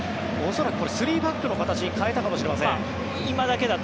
恐らく３バックの形に変えたかもしれません。